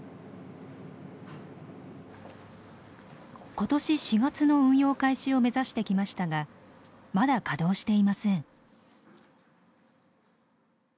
今年４月の運用開始を目指してきましたがまだ稼働していません。